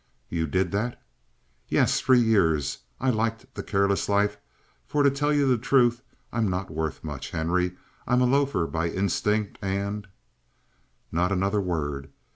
"You did that?" "Yes. Three years. I liked the careless life. For to tell you the truth, I'm not worth much, Henry. I'm a loafer by instinct, and " "Not another word."